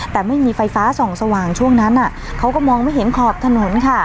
แต่ไม่มีไฟฟ้าส่องสว่างช่วงนั้นเขาก็มองไม่เห็นขอบถนนค่ะ